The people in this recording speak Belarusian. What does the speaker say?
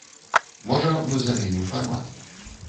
Можа, мы заменім фармат.